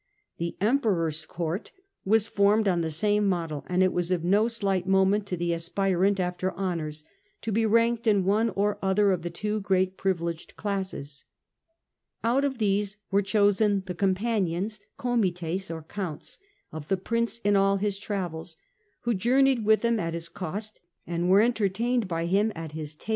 The Emperor's court was formed on the same model, and it was of no slight moment to the aspirant after honours to be ranked in one or other of the two great privileged classes. Out of these were chosen the companions (comites, counts) of the prince in all his travels, who journeyed with him at his cost, and were entertained by him at his table. CH. IX.